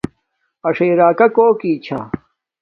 اݽݵ راکاݵ کوک چھا